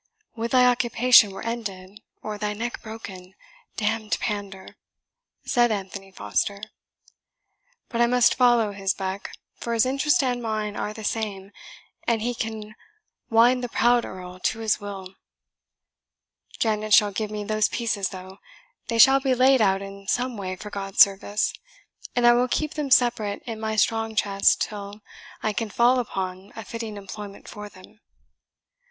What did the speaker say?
"Would thy occupation were ended, or thy neck broken, damned pander!" said Anthony Foster. "But I must follow his beck, for his interest and mine are the same, and he can wind the proud Earl to his will. Janet shall give me those pieces though; they shall be laid out in some way for God's service, and I will keep them separate in my strong chest, till I can fall upon a fitting employment for them.